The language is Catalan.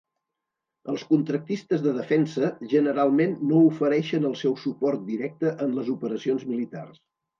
Els contractistes de defensa, generalment no ofereixen el seu suport directe en les operacions militars.